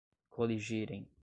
coligirem